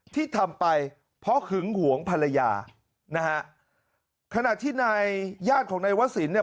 ที่ทำไปเพราะหึงหวงภรรยานะฮะขณะที่นายญาติของนายวศิลปเนี่ย